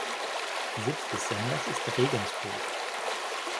Sitz des Senders ist Regensburg.